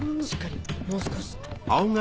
しっかりもう少し。